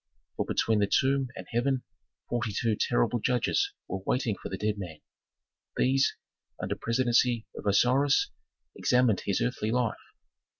For between the tomb and heaven forty two terrible judges were waiting for the dead man; these, under presidency of Osiris, examined his earthly life.